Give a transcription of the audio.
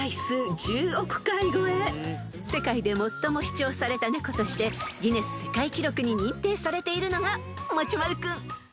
［世界で最も視聴された猫としてギネス世界記録に認定されているのがもちまる君］